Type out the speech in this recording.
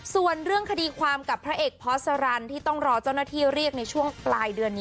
ส่วนเรื่องคดีความกับพระเอกพอสรรที่ต้องรอเจ้าหน้าที่เรียกในช่วงปลายเดือนนี้